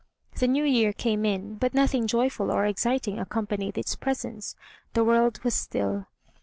The new year came in, but nothing joyful or exciting accompanied its presence the world was still.